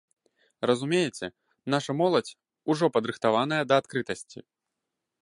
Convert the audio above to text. Разумееце, наша моладзь ужо падрыхтаваная да адкрытасці.